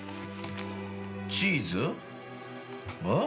チーズ？ん？